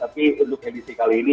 tapi untuk edisi kali ini